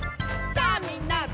「さあみんな！